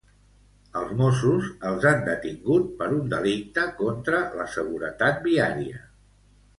Els Mossos els han detingut per un delicte contra la seguretat viària.